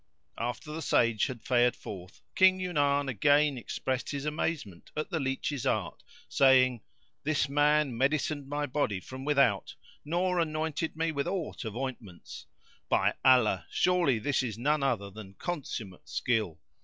After the Sage had fared forth King Yunan again expressed his amazement at the leach's art, saying, "This man medicined my body from without nor anointed me with aught of ointments: by Allah, surely this is none other than consummate skill!